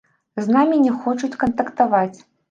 З намі не хочуць кантактаваць.